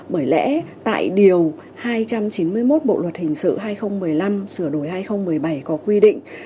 bởi lẽ tại điều hai trăm chín mươi một bộ luật hình sự hai nghìn một mươi năm sửa đổi hai nghìn một mươi bảy có quy định